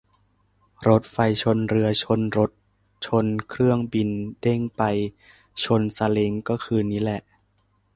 รถไฟชนเรือชนรถชนเครื่องบินเด้งไปชนซาเล้งก็คืนนี้แหละ